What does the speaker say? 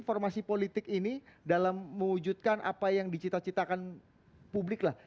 formasi politik ini dalam mewujudkan apa yang dicita citakan publik lah